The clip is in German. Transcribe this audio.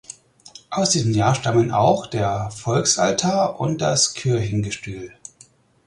Aus diesem Jahr stammen auch der Volksaltar und das Kirchengestühl.